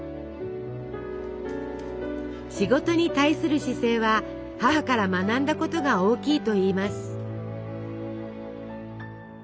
仕事に対する姿勢は母から学んだことが大きいといいます。